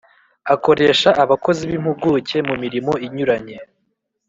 Akoresha abakozi b’impuguke mu mirimo inyuranye